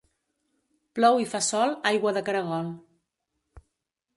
Plou i fa sol, aigua de caragol.